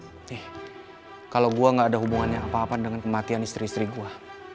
oke kalau gue gak ada hubungannya apa apa dengan kematian istri istri gue